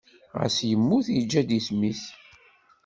Xas yemmut, yeǧǧa-d isem-is.